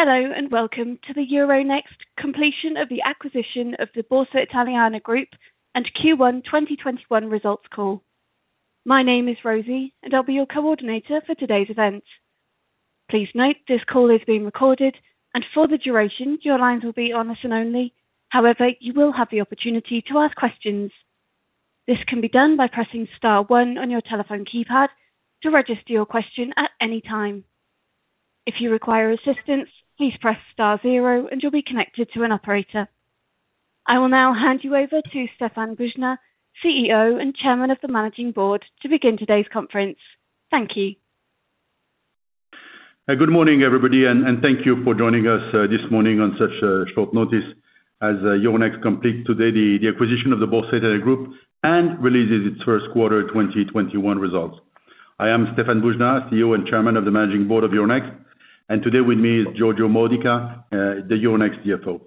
Hello, welcome to the Euronext completion of the acquisition of the Borsa Italiana Group and Q1 2021 results call. My name is Rosie, and I'll be your coordinator for today's event. Please note this call is being recorded, and for the duration, your lines will be on listen only. However, you will have the opportunity to ask questions. This can be done by pressing star one on your telephone keypad to register your question at any time. If you require assistance, please press star zero and you'll be connected to an operator. I will now hand you over to Stéphane Boujnah, CEO and Chairman of the Managing Board, to begin today's conference. Thank you. Good morning, everybody. Thank you for joining us this morning on such short notice as Euronext completes today the acquisition of the Borsa Italiana Group and releases its first quarter 2021 results. I am Stéphane Boujnah, CEO and Chairman of the Managing Board of Euronext. Today with me is Giorgio Modica, the Euronext CFO.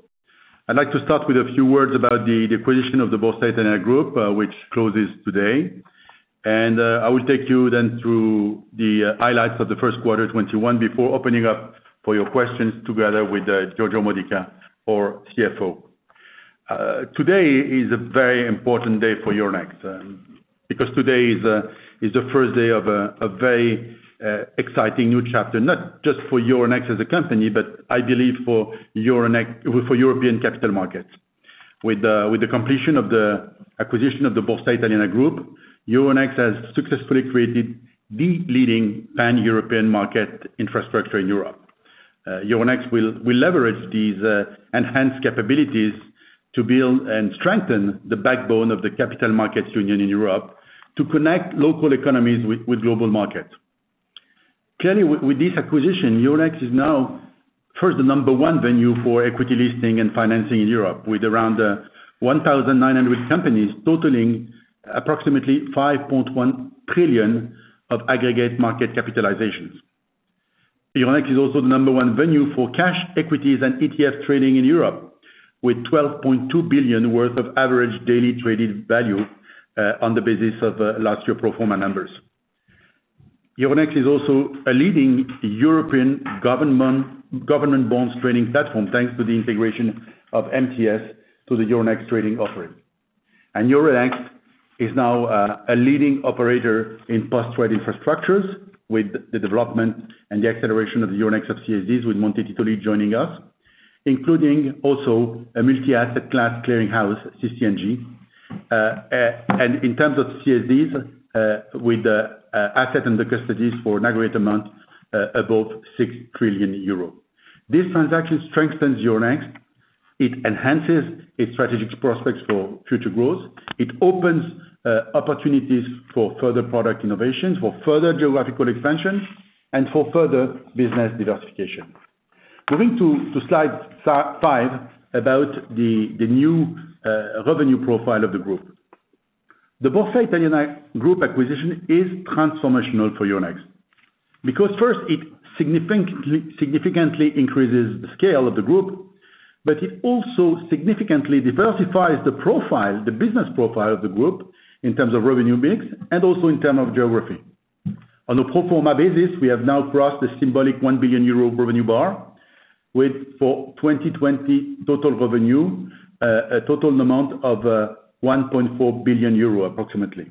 I'd like to start with a few words about the acquisition of the Borsa Italiana Group, which closes today. I will take you then through the highlights of the first quarter 2021 before opening up for your questions together with Giorgio Modica, our CFO. Today is a very important day for Euronext, because today is the first day of a very exciting new chapter, not just for Euronext as a company, but I believe for European capital markets. With the completion of the acquisition of the Borsa Italiana Group, Euronext has successfully created the leading Pan-European market infrastructure in Europe. Euronext will leverage these enhanced capabilities to build and strengthen the backbone of the Capital Markets Union in Europe to connect local economies with global markets. Clearly, with this acquisition, Euronext is now first and number one venue for equity listing and financing in Europe, with around 1,900 companies totaling approximately 5.1 trillion of aggregate market capitalizations. Euronext is also the number one venue for cash equities and ETF trading in Europe, with 12.2 billion worth of average daily traded value on the basis of last year pro forma numbers. Euronext is also a leading European government bonds trading platform, thanks to the integration of MTS to the Euronext trading offering. Euronext is now a leading operator in post-trade infrastructures with the development and the acceleration of Euronext of CSDs, with Monte Titoli joining us, including also a multi-asset class clearing house, CC&G. In terms of CSDs, with asset and the custody for an aggregate amount above 6 trillion euro. This transaction strengthens Euronext. It enhances its strategic prospects for future growth. It opens opportunities for further product innovations, for further geographical expansion, and for further business diversification. Moving to slide five about the new revenue profile of the group. The Borsa Italiana Group acquisition is transformational for Euronext because first, it significantly increases the scale of the group, but it also significantly diversifies the profile, the business profile of the group in terms of revenue mix and also in terms of geography. On a pro forma basis, we have now crossed the symbolic 1 billion euro revenue bar with, for 2020, total revenue, a total amount of 1.4 billion euro approximately.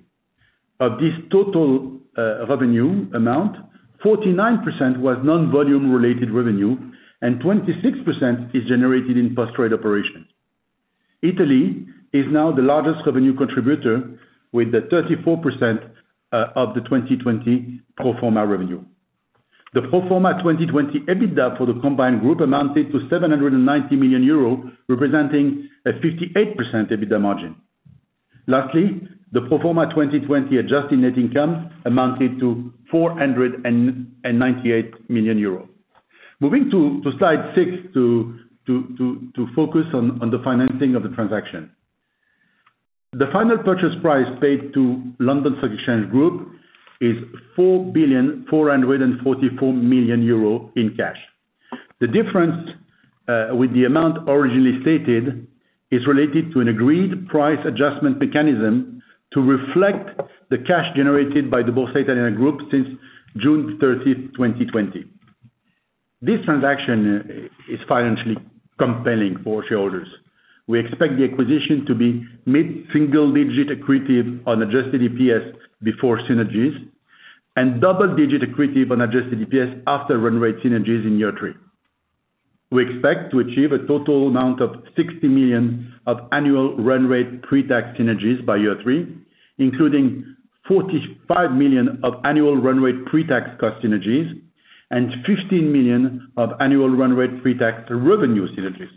Of this total revenue amount, 49% was non-volume related revenue and 26% is generated in post-trade operations. Italy is now the largest revenue contributor with the 34% of the 2020 pro forma revenue. The pro forma 2020 EBITDA for the combined group amounted to 790 million euros, representing a 58% EBITDA margin. Lastly, the pro forma 2020 adjusted net income amounted to 498 million euros. Moving to slide six to focus on the financing of the transaction. The final purchase price paid to London Stock Exchange Group is 4.44 billion euro in cash. The difference with the amount originally stated is related to an agreed price adjustment mechanism to reflect the cash generated by the Borsa Italiana Group since June 30th, 2020. This transaction is financially compelling for shareholders. We expect the acquisition to be mid-single digit accretive on adjusted EPS before synergies and double-digit accretive on adjusted EPS after run rate synergies in year three. We expect to achieve a total amount of 60 million of annual run rate pre-tax synergies by year three, including 45 million of annual run rate pre-tax cost synergies and 15 million of annual run rate pre-tax revenue synergies.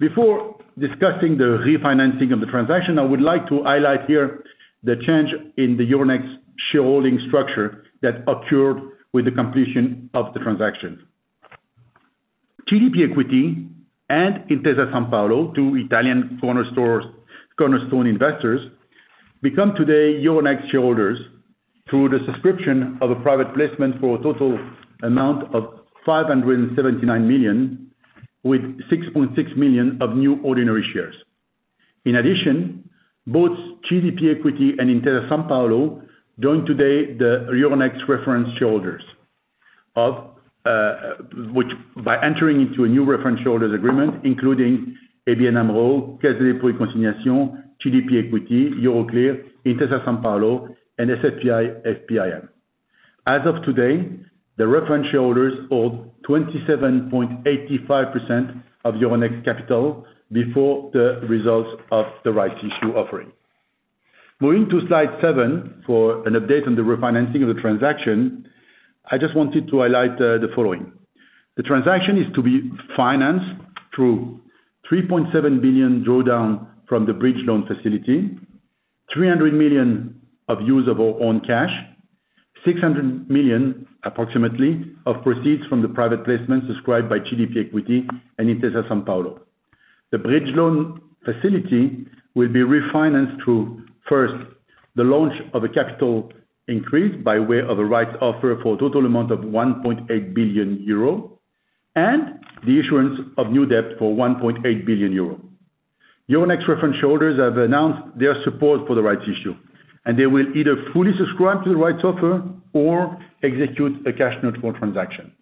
Before discussing the refinancing of the transaction, I would like to highlight here the change in the Euronext shareholding structure that occurred with the completion of the transaction. CDP Equity and Intesa Sanpaolo, two Italian cornerstone investors, become today Euronext shareholders through the subscription of a private placement for a total amount of 579 million with 6.6 million of new ordinary shares. In addition, both CDP Equity and Intesa Sanpaolo joined today the Euronext Reference Shareholders, by entering into a new reference shareholders agreement including ABN AMRO, Caisse des Dépôts et Consignations, CDP Equity, Euroclear, Intesa Sanpaolo, and SFPI-FPIM. As of today, the reference shareholders hold 27.85% of Euronext capital before the results of the rights issue offering. Moving to slide seven for an update on the refinancing of the transaction, I just wanted to highlight the following. The transaction is to be financed through 3.7 billion drawdown from the bridge loan facility, 300 million of usable own cash, 600 million approximately of proceeds from the private placements subscribed by CDP Equity and Intesa Sanpaolo. The bridge loan facility will be refinanced through, first, the launch of a capital increase by way of a rights offer for a total amount of 1.8 billion euro, and the issuance of new debt for 1.8 billion euro. Euronext Reference Shareholders have announced their support for the rights issue, and they will either fully subscribe to the rights offer or execute a cash net for transaction.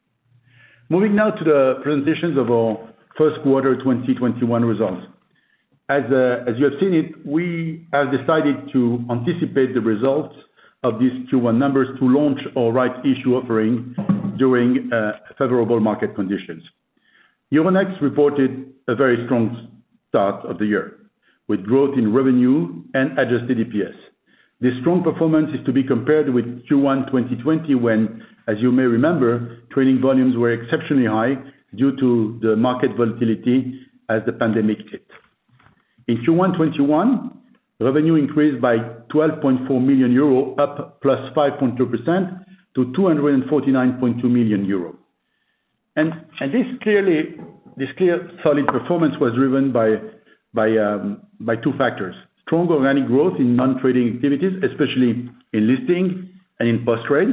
Moving now to the presentations of our first quarter 2021 results. As you have seen it, we have decided to anticipate the results of these two numbers to launch our rights issue offering during favorable market conditions. Euronext reported a very strong start of the year, with growth in revenue and adjusted EPS. This strong performance is to be compared with Q1 2020 when, as you may remember, trading volumes were exceptionally high due to the market volatility as the pandemic hit. In Q1 2021, revenue increased by 12.4 million euro, up 5.2% to 249.2 million euro. This clear solid performance was driven by two factors. Strong organic growth in non-trading activities, especially in listing and in post-trade,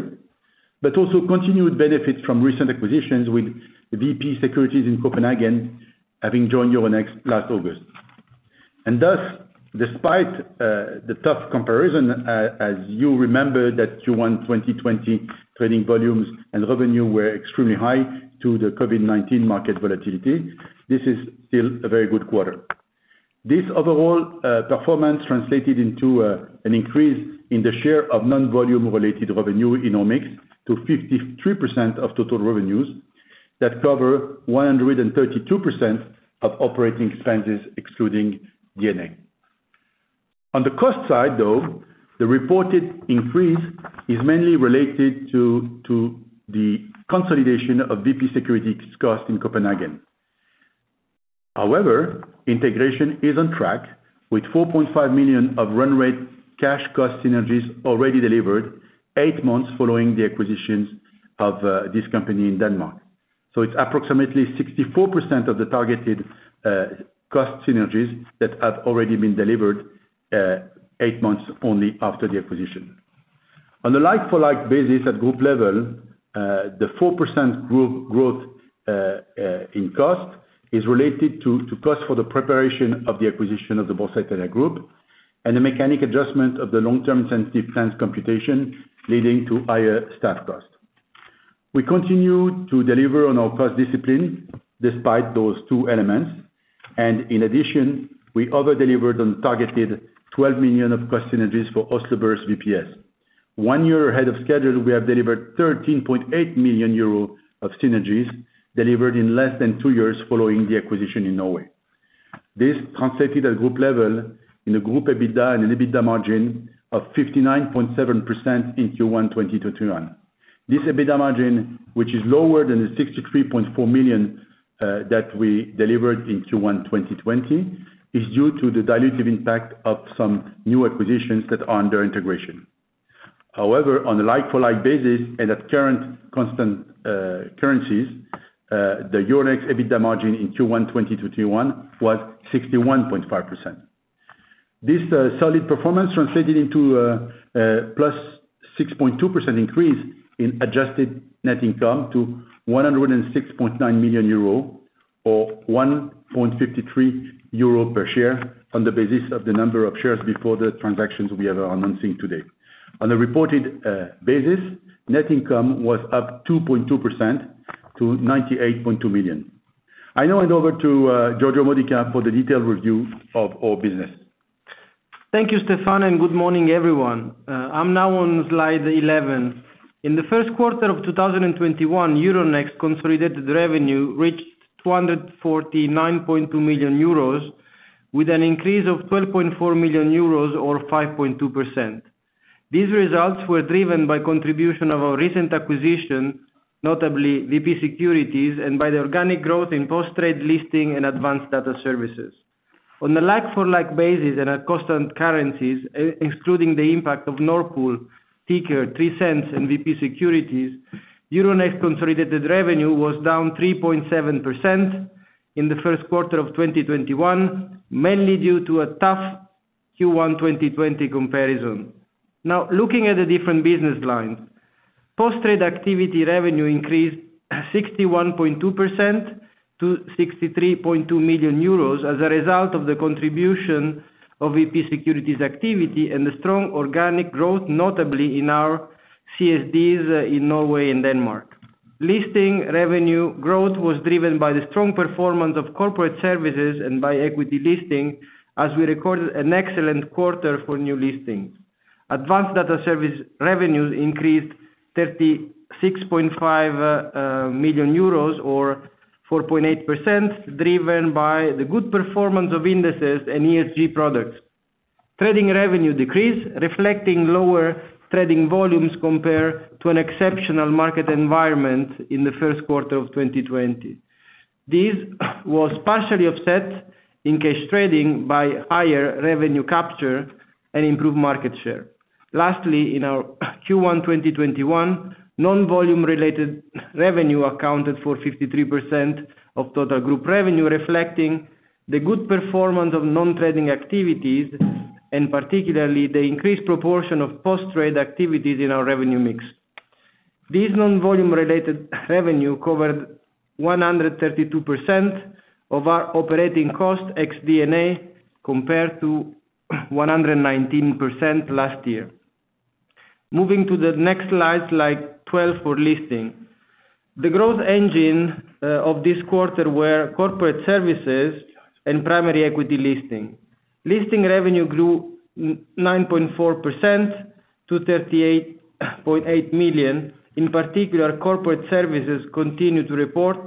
but also continued benefits from recent acquisitions with VP Securities in Copenhagen having joined Euronext last August. Thus, despite the tough comparison, as you remember, that Q1 2020 trading volumes and revenue were extremely high to the COVID-19 market volatility, this is still a very good quarter. This overall performance translated into an increase in the share of non-volume-related revenue in our mix to 53% of total revenues that cover 132% of operating expenses excluding D&A. On the cost side, though, the reported increase is mainly related to the consolidation of VP Securities' cost in Copenhagen. Integration is on track with 4.5 million of run rate cash cost synergies already delivered eight months following the acquisitions of this company in Denmark. It's approximately 64% of the targeted cost synergies that have already been delivered eight months only after the acquisition. On a like-for-like basis at group level, the 4% group growth in cost is related to cost for the preparation of the acquisition of the Borsa Italiana Group and the mechanical adjustment of the long-term incentive plans computation, leading to higher staff cost. We continue to deliver on our cost discipline despite those two elements, and in addition, we over-delivered on targeted 12 million of cost synergies for Oslo Børs VPS. One year ahead of schedule, we have delivered 13.8 million euro of synergies delivered in less than two years following the acquisition in Norway. This translated at group level in a group EBITDA and an EBITDA margin of 59.7% in Q1 2021. This EBITDA margin, which is lower than the 63.4 million that we delivered in Q1 2020, is due to the dilutive impact of some new acquisitions that are under integration. However, on a like-for-like basis and at current constant currencies, the Euronext EBITDA margin in Q1 2021 was 61.5%. This solid performance translated into a +6.2% increase in adjusted net income to 106.9 million euro or 1.53 euro per share on the basis of the number of shares before the transactions we are announcing today. On a reported basis, net income was up 2.2% to 98.2 million. I now hand over to Giorgio Modica for the detailed review of our business. Thank you, Stéphane. Good morning, everyone. I'm now on slide 11. In the first quarter of 2021, Euronext consolidated revenue reached 249.2 million euros, with an increase of 12.4 million euros or 5.2%. These results were driven by contribution of our recent acquisition, notably VP Securities, and by the organic growth in post-trade listing and advanced data services. On a like-for-like basis and at constant currencies, excluding the impact of Nord Pool, Ticker, 3Sens, and VP Securities, Euronext consolidated revenue was down 3.7% in the first quarter of 2021, mainly due to a tough Q1 2020 comparison. Looking at the different business lines. Post-Trade activity revenue increased 61.2% to 63.2 million euros as a result of the contribution of VP Securities activity and the strong organic growth, notably in our CSDs in Norway and Denmark. Listing revenue growth was driven by the strong performance of corporate services and by equity listing, as we recorded an excellent quarter for new listings. Advanced Data Service revenues increased 36.5 million euros or 4.8%, driven by the good performance of indices and ESG products. Trading revenue decreased, reflecting lower trading volumes compared to an exceptional market environment in the first quarter of 2020. This was partially offset in cash trading by higher revenue capture and improved market share. Lastly, in our Q1 2021, non-volume related revenue accounted for 53% of total group revenue, reflecting the good performance of non-trading activities and particularly, the increased proportion of post-trade activities in our revenue mix. This non-volume related revenue covered 132% of our operating cost ex D&A, compared to 119% last year. Moving to the next slide 12 for listing. The growth engine of this quarter were corporate services and primary equity listing. Listing revenue grew 9.4% to 38.8 million. In particular, corporate services continued to report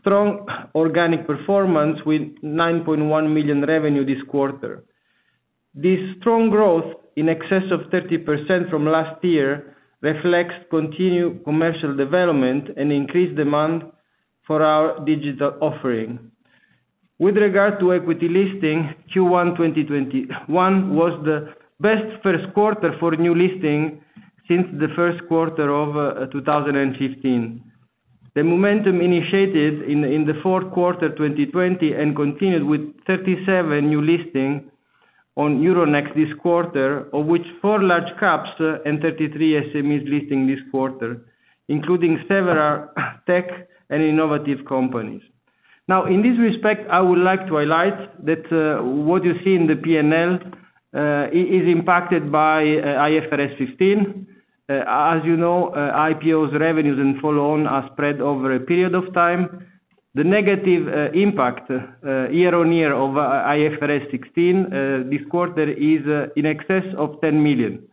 strong organic performance with 9.1 million revenue this quarter. This strong growth, in excess of 30% from last year, reflects continued commercial development and increased demand for our digital offering. With regard to equity listing, Q1 2021 was the best first quarter for new listing since the first quarter of 2015. The momentum initiated in the fourth quarter 2020 and continued with 37 new listings on Euronext this quarter, of which four large caps and 33 SMEs listing this quarter, including several tech and innovative companies. In this respect, I would like to highlight that what you see in the P&L, is impacted by IFRS 15. As you know, IPOs revenues and follow-on are spread over a period of time. The negative impact year-on-year of IFRS 15, this quarter is in excess of 10 million.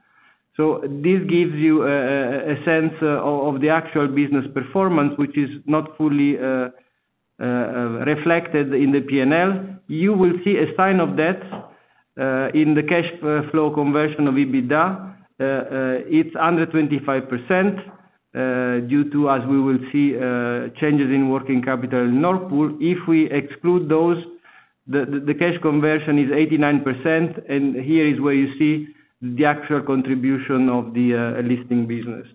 This gives you a sense of the actual business performance, which is not fully reflected in the P&L. You will see a sign of that in the cash flow conversion of EBITDA. It's under 25%, due to, as we will see, changes in working capital in Nord Pool. If we exclude those, the cash conversion is 89%, and here is where you see the actual contribution of the listing business.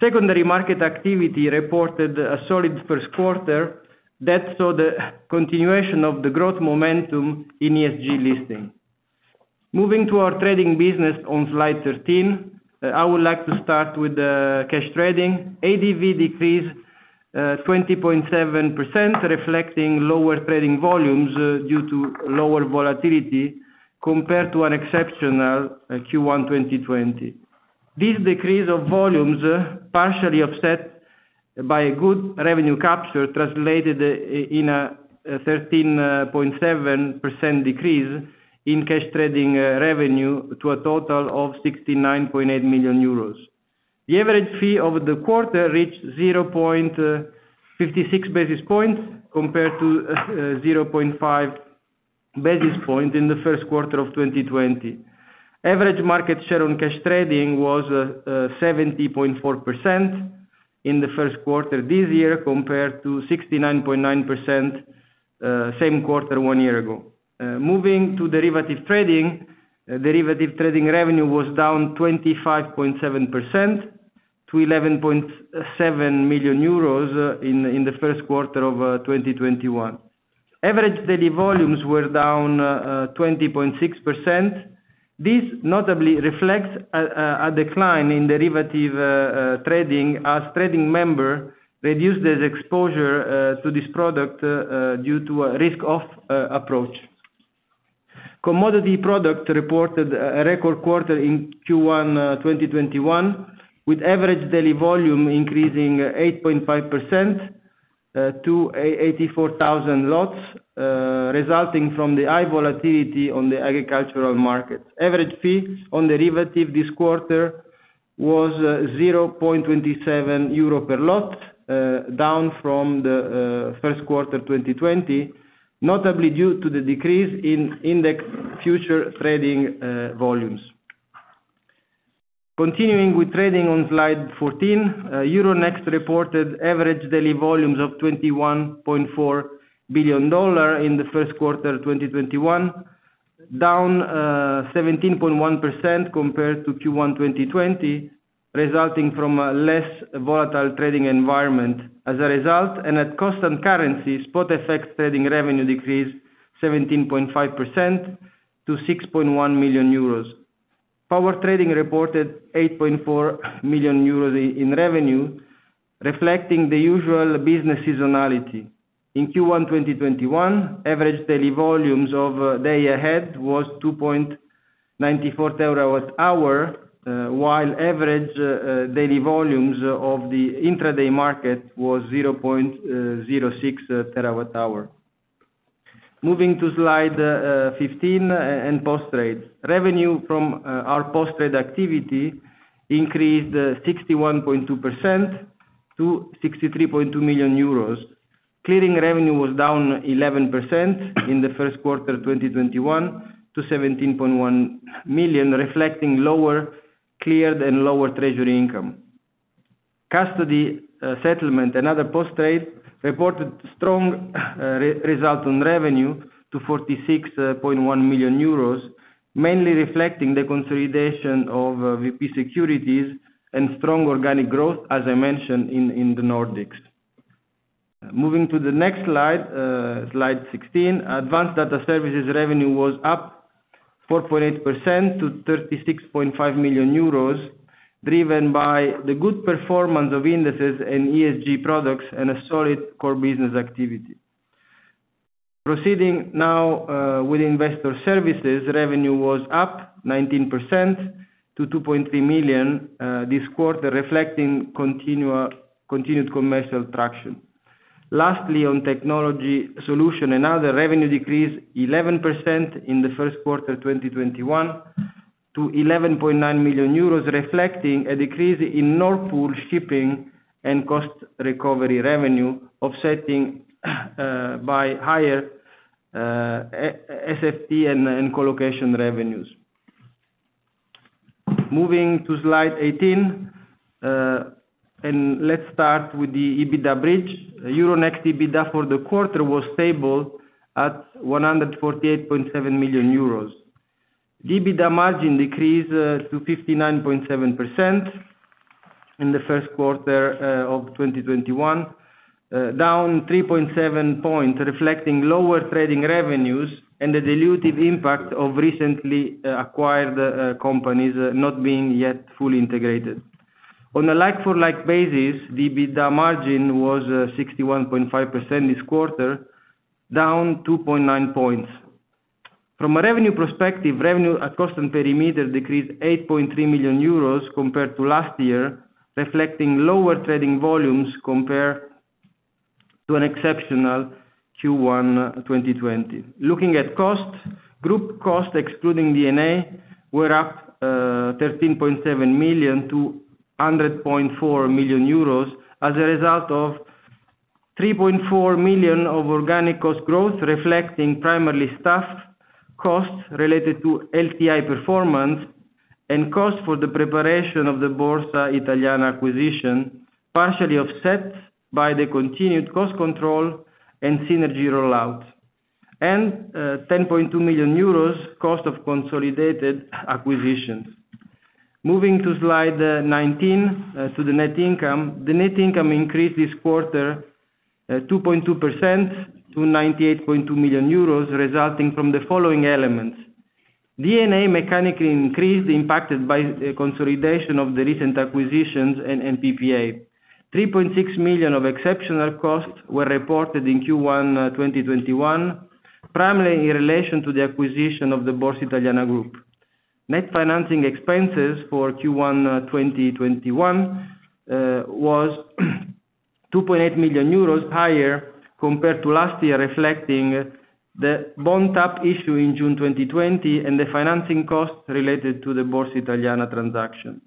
Secondary market activity reported a solid first quarter that saw the continuation of the growth momentum in ESG listing. Moving to our trading business on slide 13. I would like to start with the cash trading. ADV decreased 20.7%, reflecting lower trading volumes due to lower volatility compared to an exceptional Q1 2020. This decrease of volumes, partially offset by a good revenue capture, translated in a 13.7% decrease in cash trading revenue to a total of 69.8 million euros. The average fee over the quarter reached 0.56 basis points compared to 0.5 basis point in the first quarter of 2020. Average market share on cash trading was 70.4% in the first quarter this year, compared to 69.9% same quarter one year ago. Moving to derivative trading. Derivative trading revenue was down 25.7% to 11.7 million euros in the first quarter of 2021. Average daily volumes were down 20.6%. This notably reflects a decline in derivative trading as trading member reduced its exposure to this product due to a risk-off approach. Commodity product reported a record quarter in Q1 2021, with average daily volume increasing 8.5% to 84,000 lots, resulting from the high volatility on the agricultural markets. Average fees on derivatives this quarter was 0.27 euro per lot, down from the first quarter 2020, notably due to the decrease in index future trading volumes. Continuing with trading on slide 14, Euronext reported average daily volumes of $21.4 billion in the first quarter 2021, down 17.1% compared to Q1 2020, resulting from a less volatile trading environment. As a result, at constant currency, spot FX trading revenue decreased 17.5% to 6.1 million euros. Power trading reported 8.4 million euros in revenue, reflecting the usual business seasonality. In Q1 2021, average daily volumes of day-ahead was 2.94 TWh, while average daily volumes of the intraday market was 0.06 TWh. Moving to slide 15 and post-trade. Revenue from our post-trade activity increased 61.2% to 63.2 million euros. Clearing revenue was down 11% in the first quarter 2021 to 17.1 million, reflecting lower cleared and lower treasury income. Custody settlement and other post trade reported strong results on revenue to 46.1 million euros, mainly reflecting the consolidation of VP Securities and strong organic growth, as I mentioned in the Nordics. Moving to the next slide 16. Advanced data services revenue was up 4.8% to 36.5 million euros, driven by the good performance of indices and ESG products, and a solid core business activity. Proceeding now with investor services, revenue was up 19% to 2.3 million this quarter, reflecting continued commercial traction. Lastly, on technology solution and other, revenue decreased 11% in the first quarter 2021 to 11.9 million euros, reflecting a decrease in Nord Pool shipping and cost recovery revenue offset by higher SFTI and collocation revenues. Moving to slide 18, let's start with the EBITDA bridge. Euronext EBITDA for the quarter was stable at 148.7 million euros. EBITDA margin decreased to 59.7% in the first quarter of 2021, down 3.7 points, reflecting lower trading revenues and the dilutive impact of recently acquired companies not being yet fully integrated. On a like for like basis, EBITDA margin was 61.5% this quarter, down 2.9 points. From a revenue perspective, revenue at constant perimeter decreased 8.3 million euros compared to last year, reflecting lower trading volumes compared to an exceptional Q1 2020. Looking at cost, group cost excluding D&A were up 13.7 million to 100.4 million euros as a result of 3.4 million of organic cost growth, reflecting primarily staff costs related to LTI performance and cost for the preparation of the Borsa Italiana acquisition, partially offset by the continued cost control and synergy rollout. 10.2 million euros cost of consolidated acquisitions. Moving to slide 19, to the net income. The net income increased this quarter 2.2% to 98.2 million euros, resulting from the following elements. D&A mechanically increased, impacted by consolidation of the recent acquisitions and PPA. 3.6 million of exceptional costs were reported in Q1 2021, primarily in relation to the acquisition of the Borsa Italiana Group. Net financing expenses for Q1 2021 was 2.8 million euros higher compared to last year, reflecting the bond tap issue in June 2020 and the financing cost related to the Borsa Italiana transaction.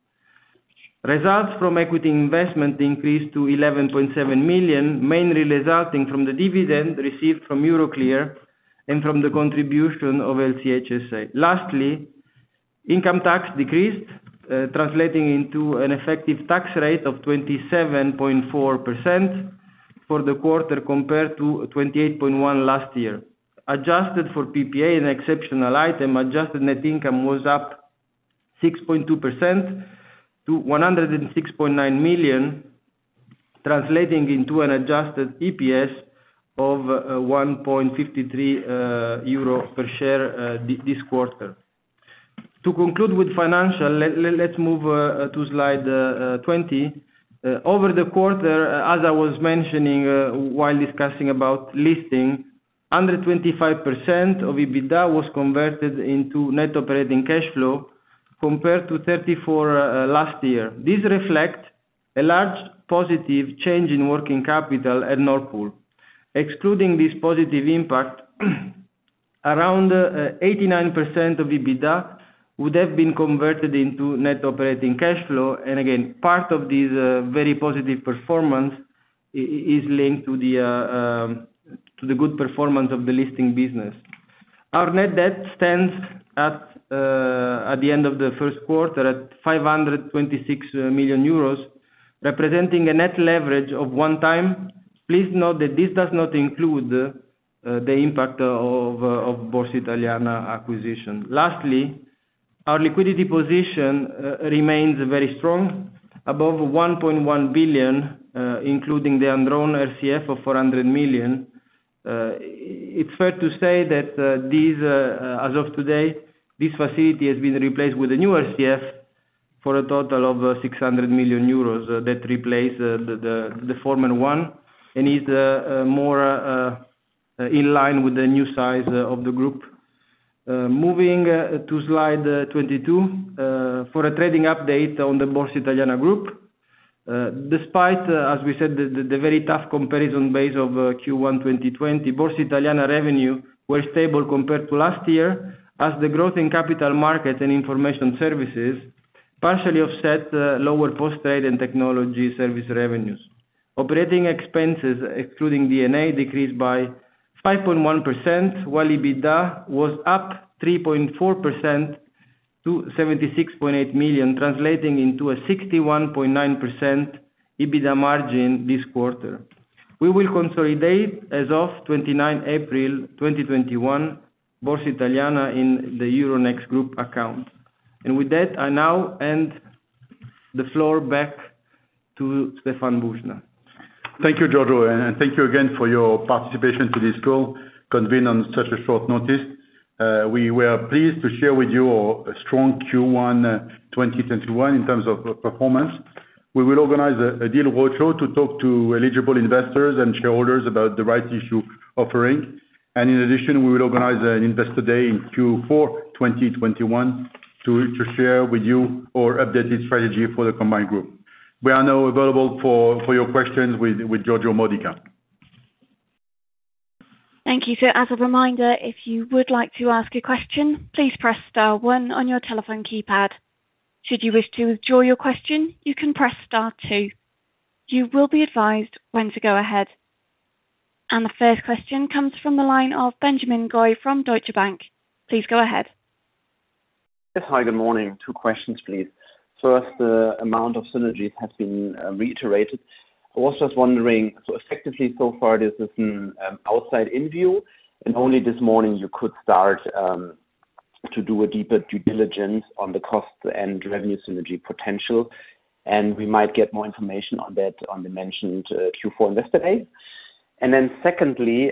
Results from equity investment increased to 11.7 million, mainly resulting from the dividend received from Euroclear and from the contribution of LCH SA. Lastly, income tax decreased, translating into an effective tax rate of 27.4% for the quarter, compared to 28.1% last year. Adjusted for PPA and exceptional item, adjusted net income was up 6.2% to 106.9 million, translating into an adjusted EPS of 1.53 euro per share this quarter. To conclude with financial, let's move to slide 20. Over the quarter, as I was mentioning while discussing about listing, 125% of EBITDA was converted into net operating cash flow, compared to 34% last year. This reflect a large positive change in working capital at Nord Pool. Excluding this positive impact, around 89% of EBITDA would have been converted into net operating cash flow. Again, part of this very positive performance is linked to the good performance of the listing business. Our net debt stands at the end of the first quarter at 526 million euros, representing a net leverage of 1 time. Please note that this does not include the impact of Borsa Italiana acquisition. Lastly, our liquidity position remains very strong, above 1.1 billion, including the undrawn RCF of 400 million. It's fair to say that as of today, this facility has been replaced with a new RCF for a total of 600 million euros that replaced the former one and is more in line with the new size of the group. Moving to slide 22, for a trading update on the Borsa Italiana Group. Despite, as we said, the very tough comparison base of Q1 2020, Borsa Italiana revenue were stable compared to last year, as the growth in capital markets and information services partially offset lower post trade and technology service revenues. Operating expenses, excluding D&A, decreased by 5.1%, while EBITDA was up 3.4% to 76.8 million, translating into a 61.9% EBITDA margin this quarter. We will consolidate as of 29 April 2021, Borsa Italiana in the Euronext Group account. With that, I now hand the floor back to Stéphane Boujnah. Thank you, Giorgio, and thank you again for your participation to this call, convened on such a short notice. We were pleased to share with you our strong Q1 2021 in terms of performance. We will organize a deal virtual to talk to eligible investors and shareholders about the rights issue offering. In addition, we will organize an investor day in Q4 2021 to share with you our updated strategy for the combined group. We are now available for your questions with Giorgio Modica. Thank you. As a reminder, if you would like to ask a question, please press star one on your telephone keypad. Should you wish to withdraw your question, you can press star two. You will be advised when to go ahead. The first question comes from the line of Benjamin Goy from Deutsche Bank. Please go ahead. Yes. Hi, good morning. Two questions, please. First, the amount of synergies has been reiterated. I was just wondering, effectively so far, this is an outside-in view, only this morning you could start to do a deeper due diligence on the cost and revenue synergy potential, we might get more information on that on the mentioned Q4 investor day. Secondly,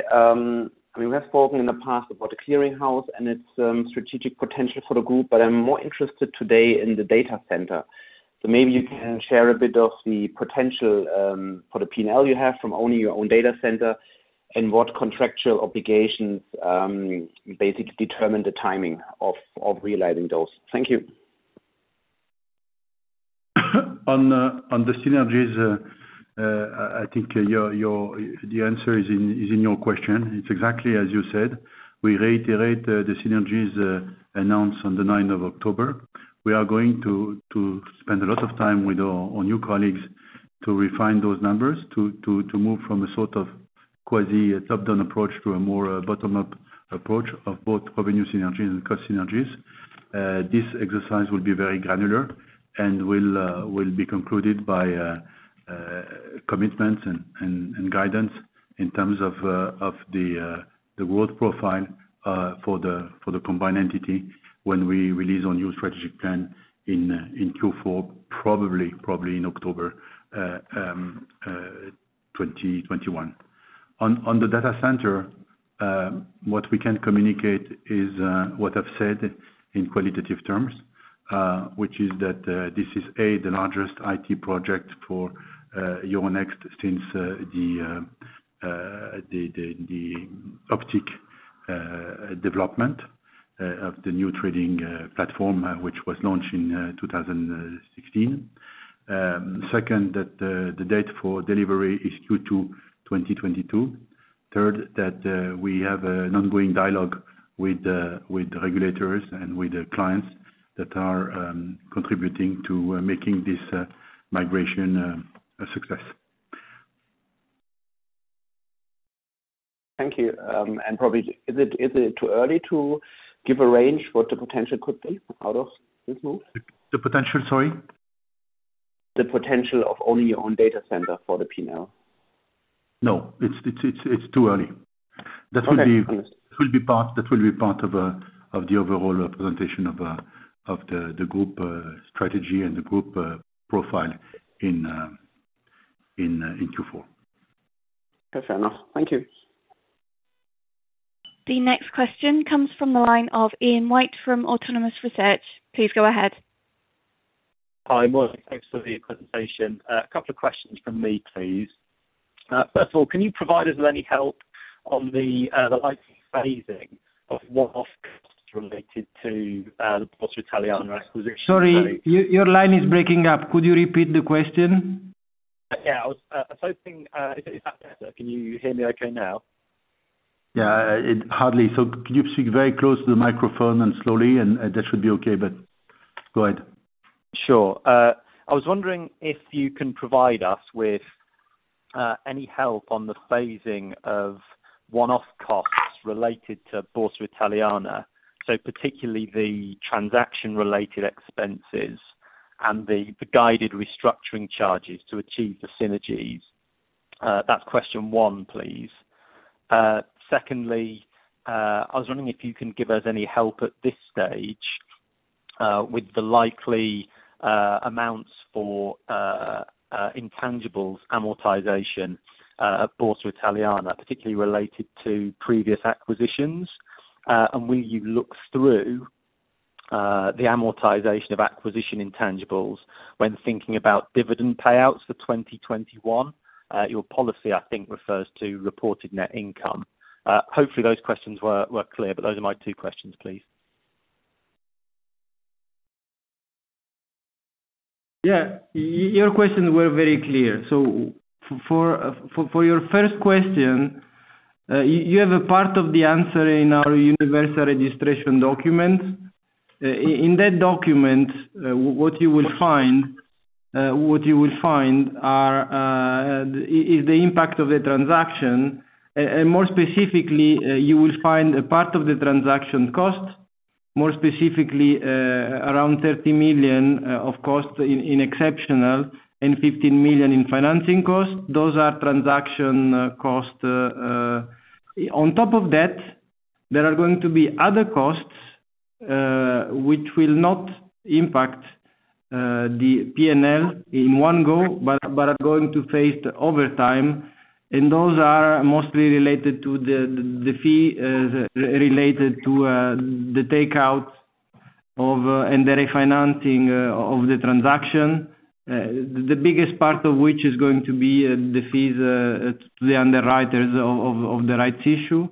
we have spoken in the past about the clearing house and its strategic potential for the group, but I'm more interested today in the data center. Maybe you can share a bit of the potential for the P&L you have from owning your own data center and what contractual obligations basically determine the timing of realizing those. Thank you. On the synergies, I think the answer is in your question. It is exactly as you said. We reiterate the synergies announced on the 9th of October. We are going to spend a lot of time with our new colleagues to refine those numbers, to move from a sort of quasi top-down approach to a more bottom-up approach of both revenue synergies and cost synergies. This exercise will be very granular and will be concluded by commitments and guidance in terms of the growth profile for the combined entity when we release our new strategic plan in Q4, probably in October 2021. On the data center, what we can communicate is what I have said in qualitative terms, which is that this is A, the largest IT project for Euronext since the Optiq development of the new trading platform, which was launched in 2016. Second, that the date for delivery is Q2 2022. Third, that we have an ongoing dialogue with the regulators and with the clients that are contributing to making this migration a success. Thank you. Probably, is it too early to give a range what the potential could be out of this move? The potential, sorry? The potential of owning your own data center for the P&L. No. It's too early. Understood. That will be part of the overall representation of the group strategy and the group profile in Q4. Okay. Fair enough. Thank you. The next question comes from the line of Ian White from Autonomous Research. Please go ahead. Hi. Morning. Thanks for the presentation. A couple of questions from me, please. First of all, can you provide us with any help on the likely phasing of one-off costs related to the Borsa Italiana acquisition? Sorry, your line is breaking up. Could you repeat the question? Yeah. Is that better? Can you hear me okay now? Yeah, hardly. Could you speak very close to the microphone and slowly, and that should be okay, but go ahead. Sure. I was wondering if you can provide us with any help on the phasing of one-off costs related to Borsa Italiana, so particularly the transaction-related expenses and the guided restructuring charges to achieve the synergies. That's question one, please. Secondly, I was wondering if you can give us any help at this stage, with the likely amounts for intangibles amortization, Borsa Italiana, particularly related to previous acquisitions. Will you look through the amortization of acquisition intangibles when thinking about dividend payouts for 2021? Your policy, I think, refers to reported net income. Hopefully, those questions were clear, but those are my two questions, please. Yeah. Your questions were very clear. For your first question, you have a part of the answer in our universal registration document. In that document, what you will find is the impact of the transaction. More specifically, you will find a part of the transaction cost, more specifically, around 30 million of cost in exceptional, and 15 million in financing cost. Those are transaction costs. On top of that, there are going to be other costs, which will not impact the P&L in one go, but are going to phase over time, and those are mostly related to the fee related to the takeout and the refinancing of the transaction. The biggest part of which is going to be the fees to the underwriters of the rights issue.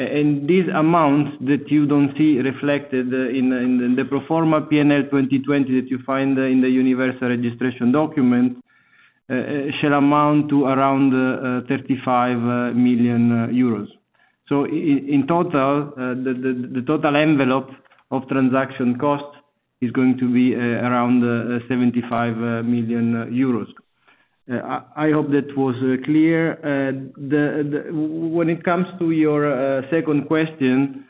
These amounts that you don't see reflected in the pro forma P&L 2020 that you find in the universal registration document, shall amount to around 35 million euros. In total, the total envelope of transaction cost is going to be around 75 million euros. I hope that was clear. When it comes to your second question,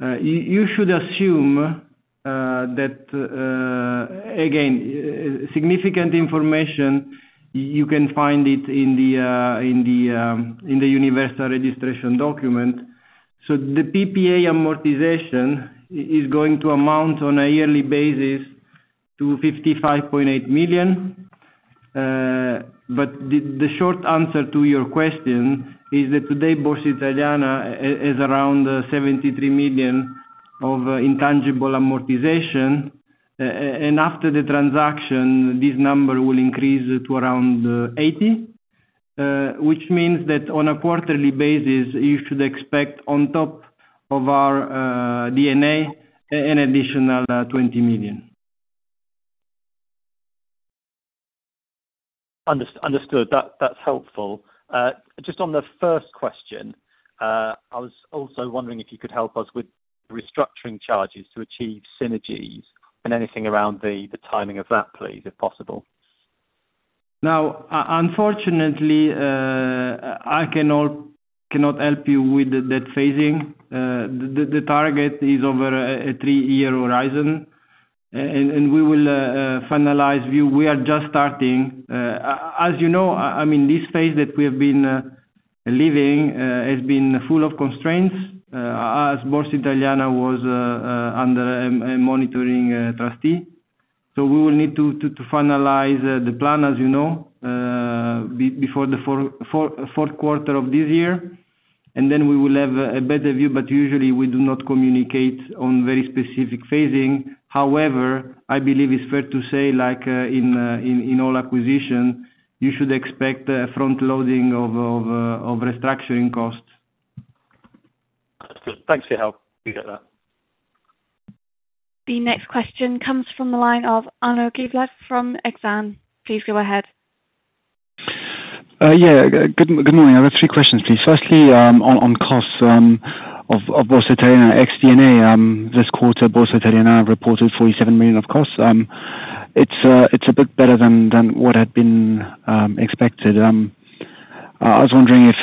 you should assume that, again, significant information, you can find it in the universal registration document. The PPA amortization is going to amount on a yearly basis to 55.8 million. The short answer to your question is that today, Borsa Italiana has around 73 million of intangible amortization. After the transaction, this number will increase to around 80, which means that on a quarterly basis, you should expect on top of our D&A, an additional EUR 20 million. Understood. That's helpful. Just on the first question, I was also wondering if you could help us with restructuring charges to achieve synergies and anything around the timing of that, please, if possible. Unfortunately, I cannot help you with that phasing. The target is over a three-year horizon. We will finalize view. We are just starting. As you know, I mean, this phase that we have been living, has been full of constraints, as Borsa Italiana was under a monitoring trustee. We will need to finalize the plan, as you know, before the fourth quarter of this year, we will have a better view. Usually we do not communicate on very specific phasing. However, I believe it's fair to say, like in all acquisition, you should expect a front-loading of restructuring costs. Thanks for your help. We get that. The next question comes from the line of Arnaud Giblat from Exane. Please go ahead. Good morning. I've three questions, please. Firstly, on costs, of Borsa Italiana ex D&A. This quarter, Borsa Italiana reported 47 million of costs. It's a bit better than what had been expected. I was wondering if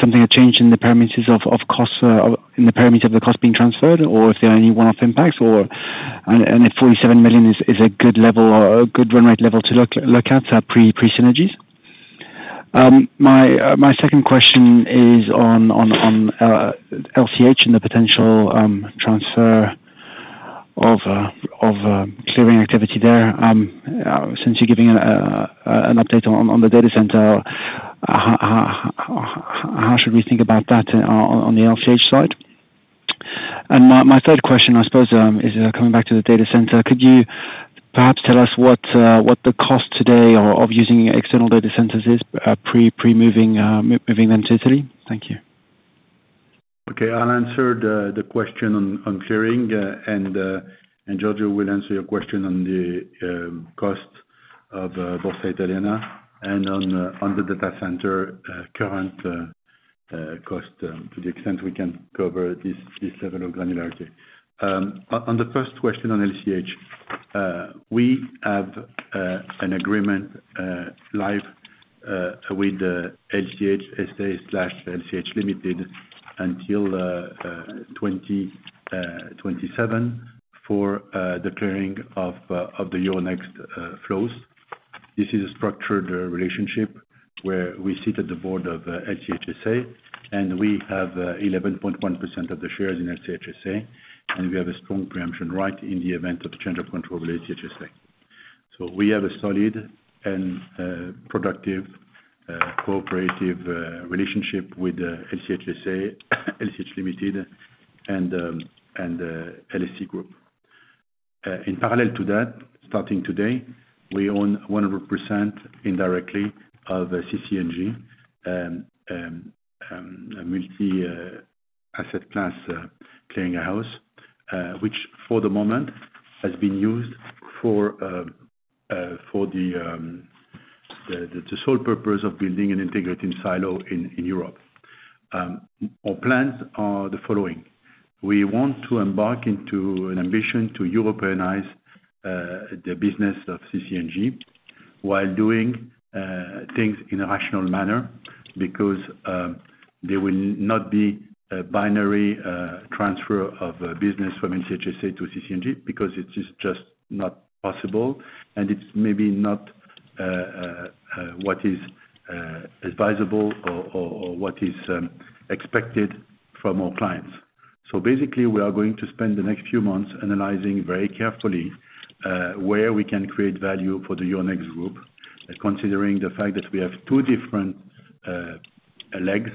something had changed in the parameters of the cost being transferred, or if there are any one-off impacts, and if 47 million is a good run rate level to look at, pre-synergies. My second question is on LCH and the potential transfer of clearing activity there. Since you're giving an update on the data center, how should we think about that on the LCH side? My third question, I suppose, is coming back to the data center, could you perhaps tell us what the cost today of using external data centers is pre moving them to Italy? Thank you. Okay. I'll answer the question on clearing, and Giorgio will answer your question on the cost of Borsa Italiana and on the data center current cost, to the extent we can cover this level of granularity. On the first question on LCH, we have an agreement live with LCH SA/LCH Limited until 2027 for the clearing of the Euronext flows. This is a structured relationship where we sit at the board of LCH SA, and we have 11.1% of the shares in LCH SA, and we have a strong preemption right in the event of a change of control of LCH SA. We have a solid and productive cooperative relationship with LCH SA, LCH Limited, and LSE Group. In parallel to that, starting today, we own 100% indirectly of CC&G, a multi-asset class clearing house, which for the moment has been used for the sole purpose of building an integrated silo in Europe. Our plans are the following. We want to embark into an ambition to Europeanize the business of CC&G while doing things in a rational manner, because there will not be a binary transfer of business from LCH SA to CC&G because it is just not possible, and it's maybe not what is advisable or what is expected from our clients. Basically, we are going to spend the next few months analyzing very carefully where we can create value for the Euronext Group, considering the fact that we have two different legs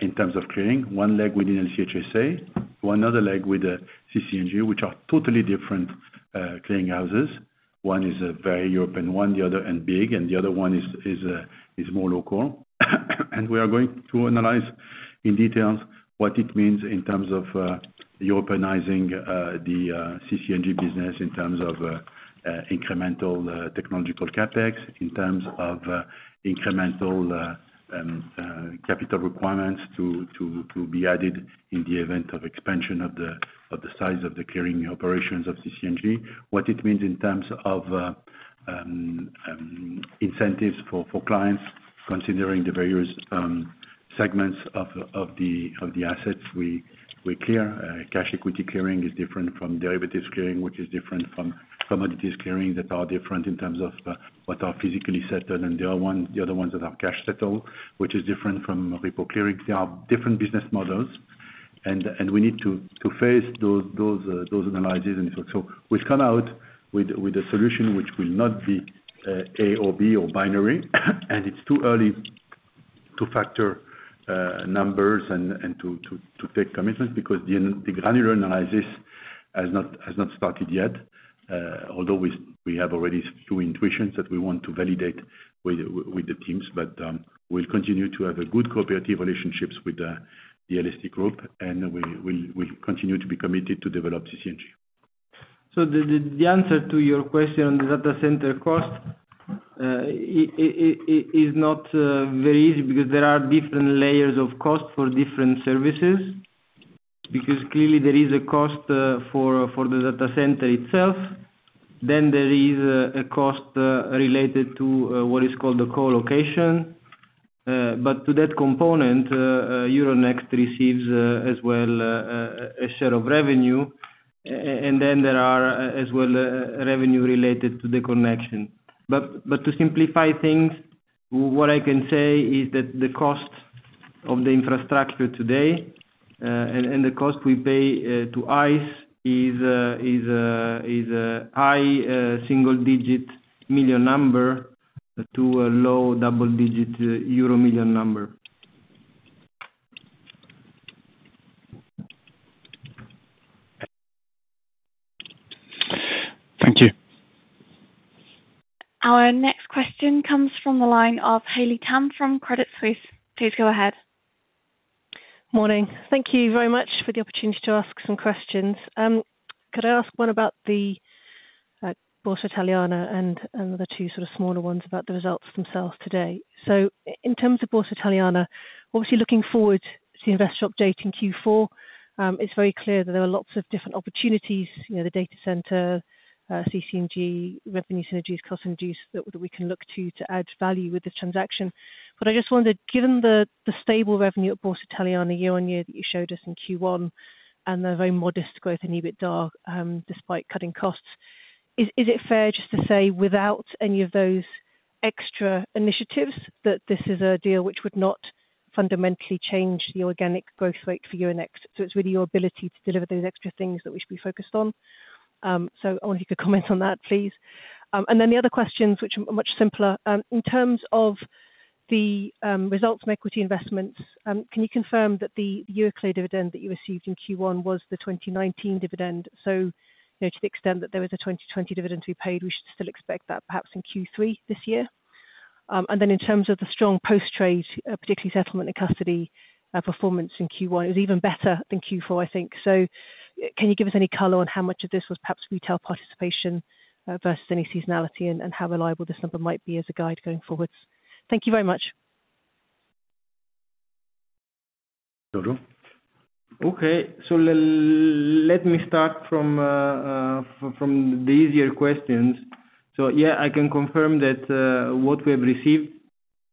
in terms of clearing, one leg within LCH SA, one other leg with the CC&G, which are totally different clearing houses. One is a very European one, and big, and the other one is more local. We are going to analyze in details what it means in terms of Europeanizing the CC&G business in terms of incremental technological CapEx, in terms of incremental capital requirements to be added in the event of expansion of the size of the clearing operations of CC&G. What it means in terms of incentives for clients, considering the various segments of the assets we clear. Cash equity clearing is different from derivatives clearing, which is different from commodities clearing, that are different in terms of what are physically settled, and the other ones that are cash settled, which is different from repo clearing. They are different business models, and we need to face those analyses. We'll come out with a solution which will not be A or B or binary. It's too early to factor numbers and to take commitments because the granular analysis has not started yet. Although we have already two intuitions that we want to validate with the teams. We'll continue to have a good cooperative relationships with the LSE Group, and we'll continue to be committed to develop CC&G. The answer to your question on the data center cost is not very easy because there are different layers of cost for different services. Clearly there is a cost for the data center itself. There is a cost related to what is called the co-location. To that component, Euronext receives as well a share of revenue. There are as well revenue related to the connection. To simplify things, what I can say is that the cost of the infrastructure today, and the cost we pay to ICE is a high single-digit million number to a low double-digit euro million number. Thank you. Our next question comes from the line of Haley Tam from Credit Suisse. Please go ahead. Morning. Thank you very much for the opportunity to ask some questions. Could I ask one about the Borsa Italiana and the two sort of smaller ones about the results themselves today? In terms of Borsa Italiana, obviously looking forward to the investor update in Q4. It is very clear that there are lots of different opportunities, the data center, CC&G, revenue synergies, cost synergies that we can look to to add value with this transaction. I just wondered, given the stable revenue at Borsa Italiana year-over-year that you showed us in Q1, and the very modest growth in EBITDA, despite cutting costs, is it fair just to say, without any of those extra initiatives, that this is a deal which would not fundamentally change the organic growth rate for Euronext, so it is really your ability to deliver those extra things that we should be focused on? I wonder if you could comment on that, please. The other questions, which are much simpler. In terms of the results from equity investments, can you confirm that the Euroclear dividend that you received in Q1 was the 2019 dividend? To the extent that there was a 2020 dividend to be paid, we should still expect that perhaps in Q3 this year? In terms of the strong post-trade, particularly settlement and custody, performance in Q1. It was even better than Q4, I think. Can you give us any color on how much of this was perhaps retail participation versus any seasonality, and how reliable this number might be as a guide going forwards? Thank you very much. Giorgio. Okay, let me start from the easier questions. Yeah, I can confirm that what we have received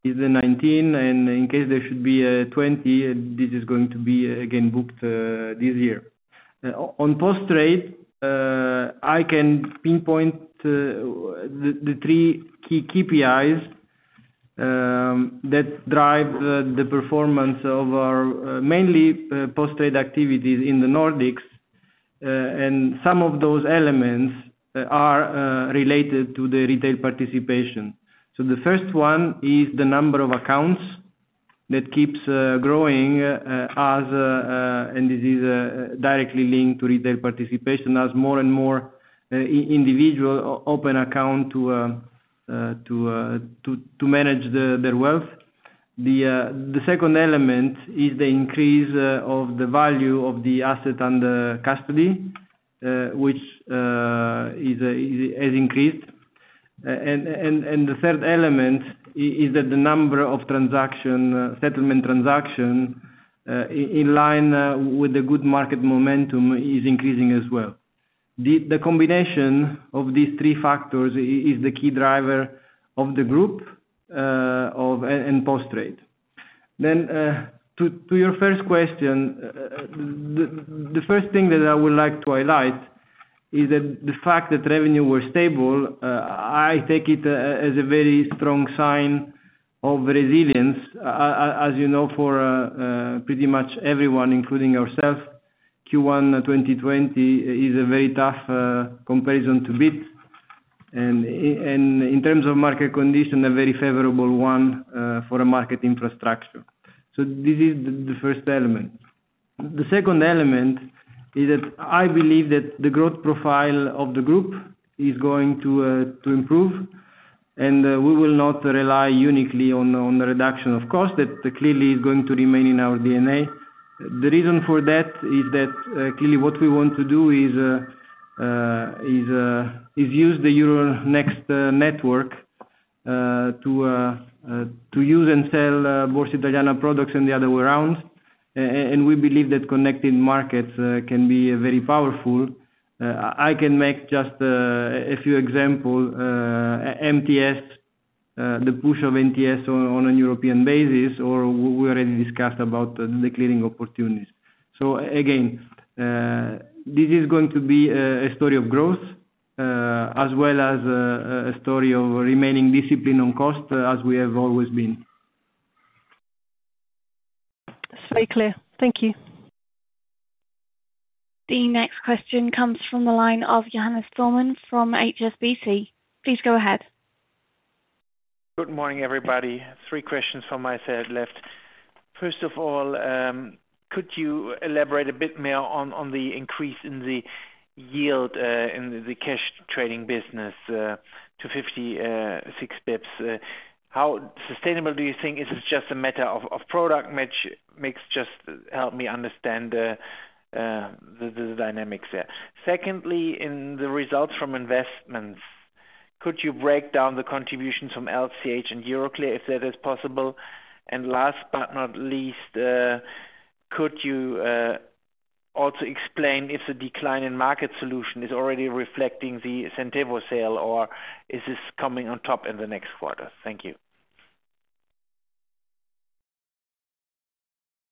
is the 19. In case there should be a 20, this is going to be again booked this year. On Post Trade, I can pinpoint the three key KPIs that drive the performance of our mainly Post Trade activities in the Nordics. Some of those elements are related to the retail participation. The first one is the number of accounts that keeps growing, and this is directly linked to retail participation as more and more individuals open account to manage their wealth. The second element is the increase of the value of the asset under custody, which has increased. The third element is that the number of settlement transaction, in line with the good market momentum, is increasing as well. The combination of these three factors is the key driver of the group in Post Trade. To your first question, the first thing that I would like to highlight is that the fact that revenue was stable, I take it as a very strong sign of resilience. As you know, for pretty much everyone, including ourselves, Q1 2020 is a very tough comparison to beat. In terms of market condition, a very favorable one for a market infrastructure. This is the first element. The second element is that I believe that the growth profile of the group is going to improve, and we will not rely uniquely on the reduction of cost. That clearly is going to remain in our D&A. The reason for that is that clearly what we want to do is use the Euronext network to use and sell Borsa Italiana products and the other way around. We believe that connecting markets can be very powerful. I can make just a few example, the push of MTS on a European basis, or we already discussed about the clearing opportunities. Again, this is going to be a story of growth, as well as a story of remaining discipline on cost as we have always been. It's very clear. Thank you. The next question comes from the line of Johannes Thormann from HSBC. Please go ahead. Good morning, everybody. Three questions from my side left. First of all, could you elaborate a bit more on the increase in the yield in the cash trading business to 56 basis points? How sustainable do you think? Is this just a matter of product mix? Just help me understand the dynamics there. Secondly, in the results from investments, could you break down the contributions from LCH and Euroclear if that is possible? Last but not least, could you also explain if the decline in market solution is already reflecting the Centevo sale, or is this coming on top in the next quarter? Thank you.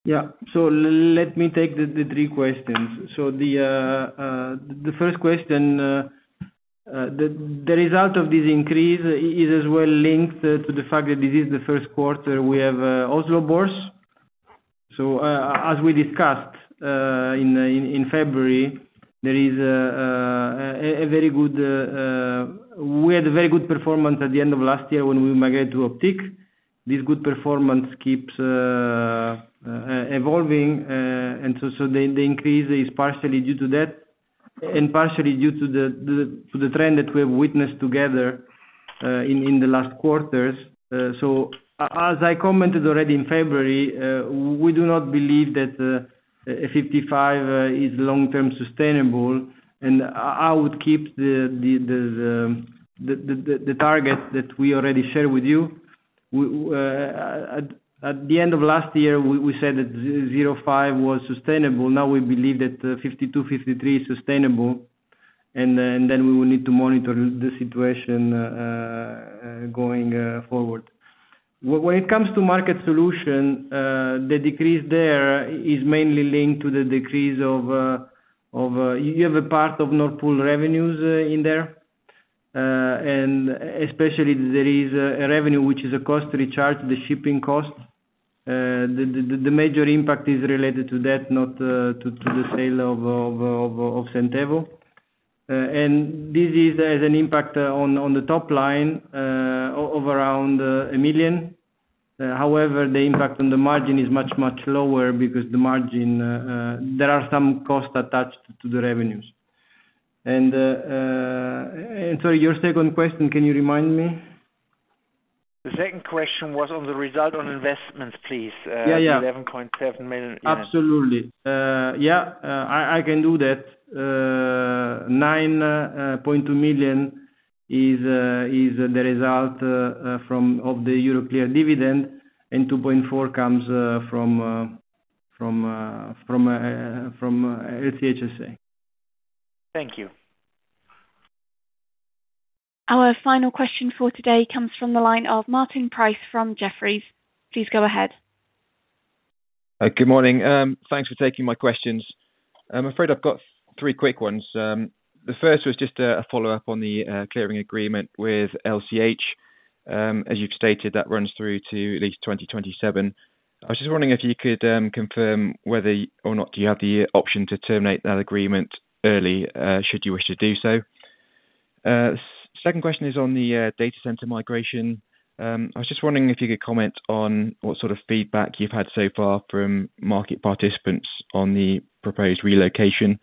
Yeah. Let me take the three questions. The first question, the result of this increase is as well linked to the fact that this is the first quarter we have Oslo Børs. As we discussed in February, we had a very good performance at the end of last year when we migrated to Optiq. This good performance keeps evolving. The increase is partially due to that and partially due to the trend that we have witnessed together in the last quarters. As I commented already in February, we do not believe that 55 is long-term sustainable, and I would keep the target that we already share with you. At the end of last year, we said that zero five was sustainable. Now we believe that 52, 53 is sustainable, and then we will need to monitor the situation going forward. When it comes to market solution, the decrease there is mainly linked to the decrease of Nord Pool revenues in there. Especially there is a revenue which is a cost to recharge the shipping costs. The major impact is related to that, not to the sale of Centevo. This has an impact on the top line of around 1 million. However, the impact on the margin is much lower because there are some costs attached to the revenues. Sorry, your second question, can you remind me? The second question was on the result on investments, please. Yeah. The 11.7 million, yeah. Absolutely. Yeah, I can do that. 9.2 million is the result of the Euroclear dividend. 2.4 comes from LCH SA. Thank you. Our final question for today comes from the line of Martin Price from Jefferies. Please go ahead. Good morning. Thanks for taking my questions. I'm afraid I've got three quick ones. The first was just a follow-up on the clearing agreement with LCH. As you've stated, that runs through to at least 2027. I was just wondering if you could confirm whether or not you have the option to terminate that agreement early, should you wish to do so. Second question is on the data center migration. I was just wondering if you could comment on what sort of feedback you've had so far from market participants on the proposed relocation.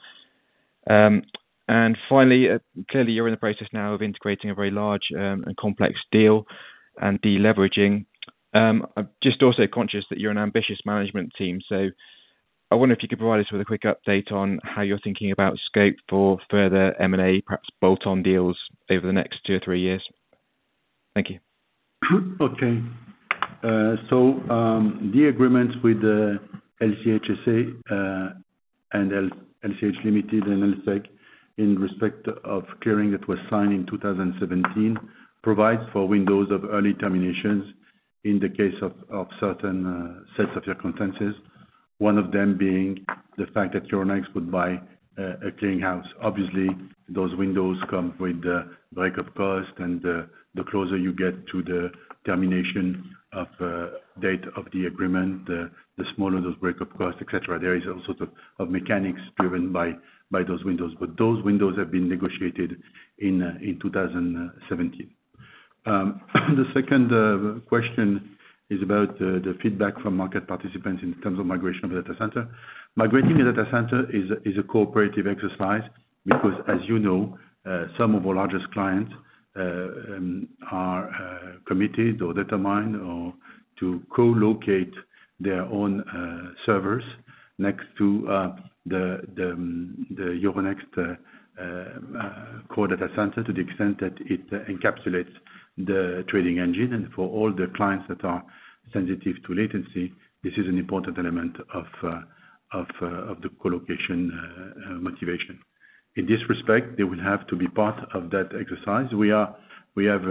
Finally, clearly you're in the process now of integrating a very large and complex deal and de-leveraging. I'm just also conscious that you're an ambitious management team, so I wonder if you could provide us with a quick update on how you're thinking about scope for further M&A, perhaps bolt-on deals over the next two or three years. Thank you. Okay. The agreements with LCH SA, and LCH Limited and LCH, in respect of clearing that was signed in 2017, provides for windows of early terminations in the case of certain sets of circumstances. One of them being the fact that Euronext would buy a clearing house. Obviously, those windows come with a breakup cost and the closer you get to the termination of date of the agreement, the smaller those breakup costs, et cetera. There is all sorts of mechanics driven by those windows. Those windows have been negotiated in 2017. The second question is about the feedback from market participants in terms of migration of a data center. Migrating a data center is a cooperative exercise because, as you know, some of our largest clients are committed or determined to co-locate their own servers next to the Euronext core data center to the extent that it encapsulates the trading engine. For all the clients that are sensitive to latency, this is an important element of the co-location motivation. In this respect, they will have to be part of that exercise. We have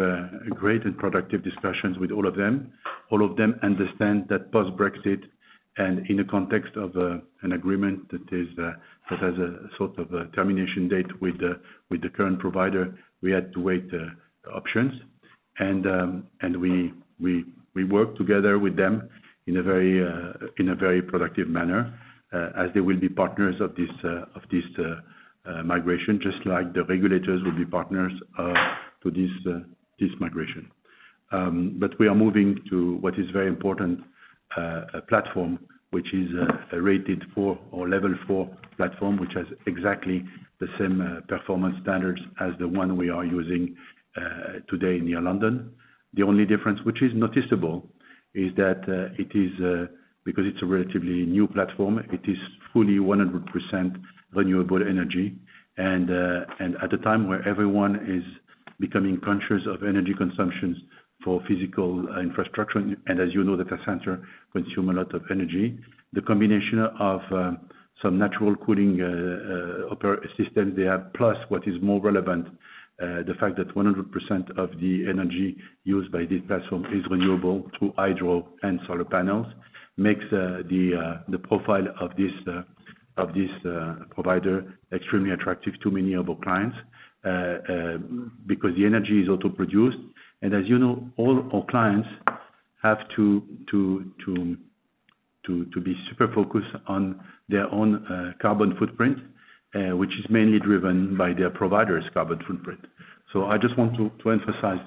great and productive discussions with all of them. All of them understand that post-Brexit and in the context of an agreement that has a sort of a termination date with the current provider, we had to weigh the options. We work together with them in a very productive manner, as they will be partners of this migration just like the regulators will be partners to this migration. We are moving to what is a very important platform, which is a rated 4 or level 4 platform, which has exactly the same performance standards as the one we are using today near London. The only difference, which is noticeable, is that because it's a relatively new platform, it is fully 100% renewable energy. At a time where everyone is becoming conscious of energy consumptions for physical infrastructure, and as you know, data center consume a lot of energy. The combination of some natural cooling system they have, plus what is more relevant, the fact that 100% of the energy used by this platform is renewable through hydro and solar panels, makes the profile of this provider extremely attractive to many of our clients, because the energy is auto-produced. As you know, all our clients have to be super focused on their own carbon footprint, which is mainly driven by their provider's carbon footprint. I just want to emphasize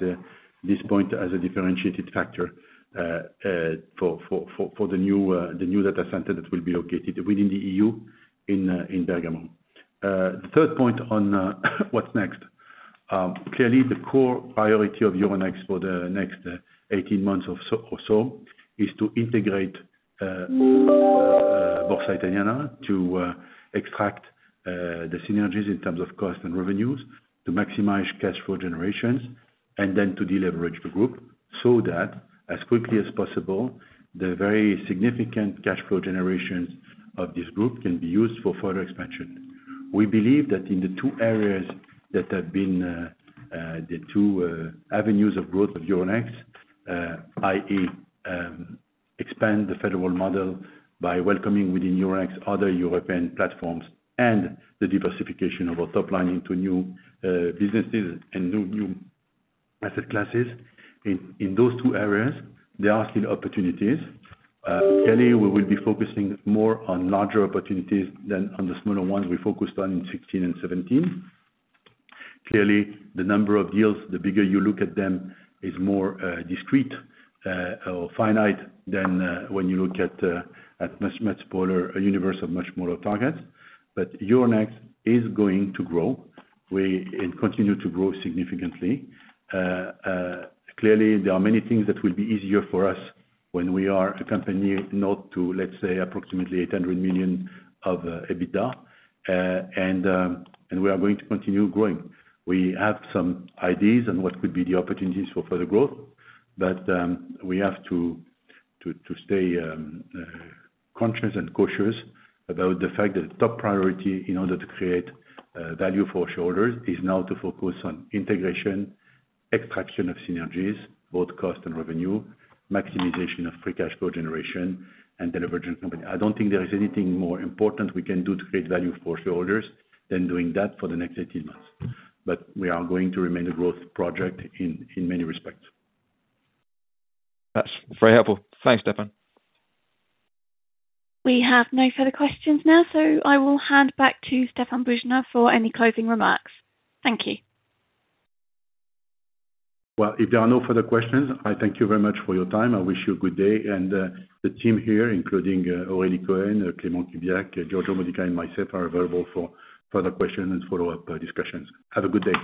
this point as a differentiated factor for the new data center that will be located within the EU in Bergamo. The third point on what's next. Clearly, the core priority of Euronext for the next 18 months or so is to integrate Borsa Italiana to extract the synergies in terms of cost and revenues, to maximize cash flow generations, and then to deleverage the group so that as quickly as possible, the very significant cash flow generations of this group can be used for further expansion. We believe that in the two areas that have been the two avenues of growth of Euronext, i.e., expand the federal model by welcoming within Euronext other European platforms and the diversification of our top line into new businesses and new asset classes. In those two areas, there are still opportunities. Clearly, we will be focusing more on larger opportunities than on the smaller ones we focused on in 2016 and 2017. Clearly, the number of deals, the bigger you look at them, is more discrete or finite than when you look at a universe of much smaller targets. Euronext is going to grow and continue to grow significantly. Clearly, there are many things that will be easier for us when we are a company not to, let's say, approximately 800 million of EBITDA, and we are going to continue growing. We have some ideas on what could be the opportunities for further growth, but we have to stay conscious and cautious about the fact that top priority in order to create value for shareholders is now to focus on integration, extraction of synergies, both cost and revenue, maximization of free cash flow generation, and deleveraging company. I don't think there is anything more important we can do to create value for shareholders than doing that for the next 18 months. We are going to remain a growth project in many respects. That's very helpful. Thanks, Stéphane. We have no further questions now, so I will hand back to Stéphane Boujnah for any closing remarks. Thank you. Well, if there are no further questions, I thank you very much for your time. I wish you a good day, and the team here, including Aurélie Cohen, Clément Kubiak, Giorgio Modica, and myself are available for further questions and follow-up discussions. Have a good day.